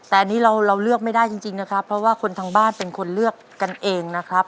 แต่อันนี้เราเลือกไม่ได้จริงนะครับเพราะว่าคนทางบ้านเป็นคนเลือกกันเองนะครับ